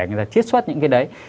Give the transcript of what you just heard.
người ta chiết xuất những cái đấy